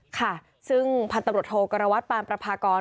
ค่ะซึ่งผัดตำรวจโทรกรวรรวัตรปราพากร